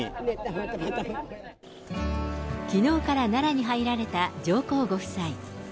きのうから奈良に入られた上皇ご夫妻。